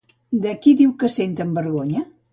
De qui diu que senten vergonya?